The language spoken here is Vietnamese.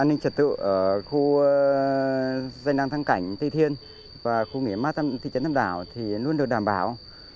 an ninh trật tự ở khu danh năng thăng cảnh tây thiên và khu nghỉ mát thị trấn tam đảo thì luôn được đảm bảo